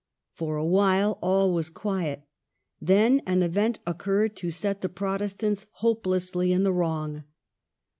For a while all was quiet. Then an event occurred to set the Protestants hopelessly in the wrong.